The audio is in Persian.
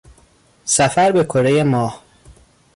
سفر به کرهی ماه